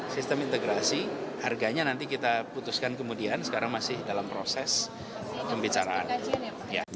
sistem integrasi harganya nanti kita putuskan kemudian sekarang masih dalam proses pembicaraan